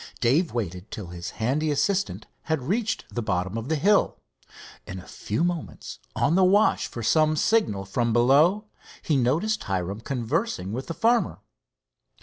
Dave waited till his handy assistant had reached the bottom of the hill. In a few moments, on the watch for some signal from below, he noticed Hiram conversing with the farmer.